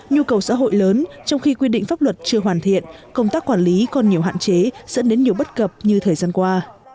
nhu cầu xã hội lớn trong khi quy định pháp luật chưa hoàn thiện công tác quản lý còn nhiều hạn chế dẫn đến nhiều bất cập như thời gian qua